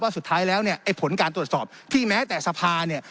สุดท้ายแล้วเนี่ยไอ้ผลการตรวจสอบที่แม้แต่สภาเนี่ย